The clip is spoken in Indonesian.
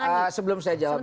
sebentar sebelum saya jawab itu